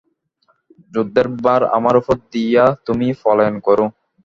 যুদ্ধের ভার আমার উপর দিয়া তুমি পলায়ন করো।